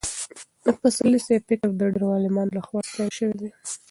د پسرلي صاحب فکر د ډېرو عالمانو له خوا ستایل شوی دی.